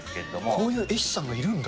こういう絵師さんがいるんだ。